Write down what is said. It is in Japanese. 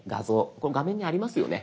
これ画面にありますよね？